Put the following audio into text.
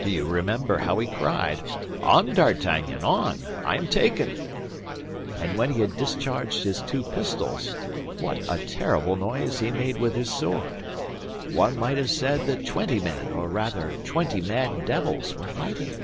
Do you remember how he cried, 'On, D'Artagnan, on, I am taken'? And when he had discharged his two pistols, what a terrible noise he made with his sword! One might have said that twenty men, or rather twenty mad devils, were fighting."